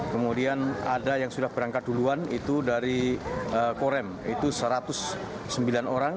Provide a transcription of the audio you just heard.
kemudian ada yang sudah berangkat duluan itu dari korem itu satu ratus sembilan orang